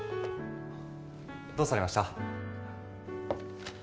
どうされました？